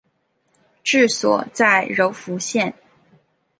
治所在柔服县。